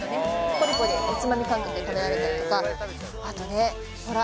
ポリポリおつまみ感覚で食べられたりとかあとねほら